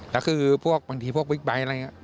แล้วคือพวกบางทีพวกบิ๊กไบท์อะไรอย่างนี้